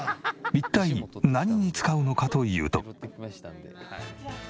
一体何に使うのかというと。